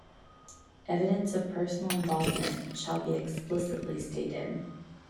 Evidence of personal involvement shall be explicitly stated.